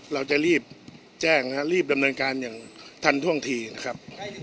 เราจะรีบแจ้งนะครับรีบดำเนินการอย่างทันท่วงทีนะครับ